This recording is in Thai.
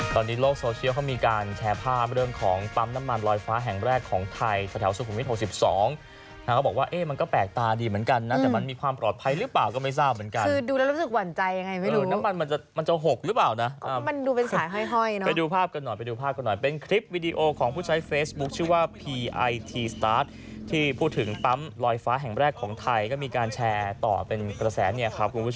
ตอนนี้โลกโซเชียลเขามีการแชร์ภาพเรื่องของปั๊มน้ำมันลอยฟ้าแห่งแรกของไทย